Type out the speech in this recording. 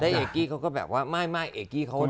ได้เอ๊กกี้เขาก็แบบว่าไม่เอ๊กกี้เขาโดนบ่อย